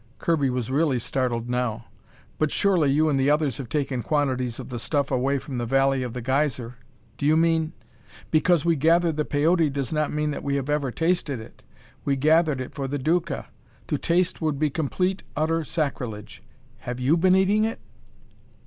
Kirby was really startled now. "But surely you and the others have taken quantities of the stuff away from the Valley of the Geyser. Do you mean " "Because we gathered the Peyote does not mean that we have ever tasted it. We gather it for the Duca. To taste would be complete, utter sacrilege. Have you been eating it?"